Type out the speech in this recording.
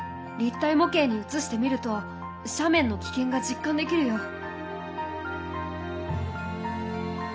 立体模型にうつしてみると斜面の危険が実感できるよ。